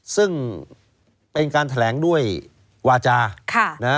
ซึ่งเป็นการแถลงด้วยวาจา